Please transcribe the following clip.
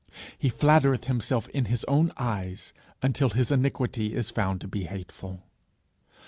'He flattereth himself in his own eyes until his iniquity is found to be hateful.'